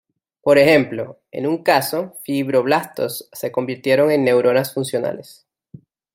Por ejemplo, en un caso fibroblastos se convirtieron en neuronas funcionales.